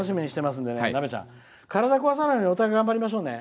体壊さないようにお互い頑張りましょうね。